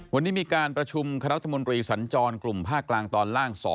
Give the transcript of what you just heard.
วันนี้มีการประชุมคณะรัฐมนตรีสัญจรกลุ่มภาคกลางตอนล่าง๒